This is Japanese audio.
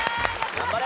頑張れ！